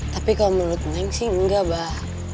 tapi kalau menurut neng sih enggak bah